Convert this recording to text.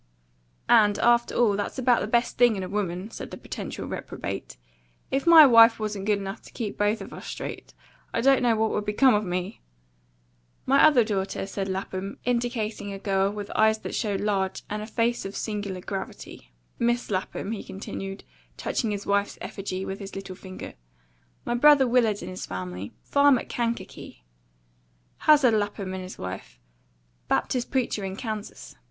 "And, after all, that's about the best thing in a woman," said the potential reprobate. "If my wife wasn't good enough to keep both of us straight, I don't know what would become of me." "My other daughter," said Lapham, indicating a girl with eyes that showed large, and a face of singular gravity. "Mis' Lapham," he continued, touching his wife's effigy with his little finger. "My brother Willard and his family farm at Kankakee. Hazard Lapham and his wife Baptist preacher in Kansas.